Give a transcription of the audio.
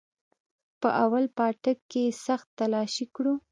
په اول پاټک کښې يې سخت تلاشي كړو.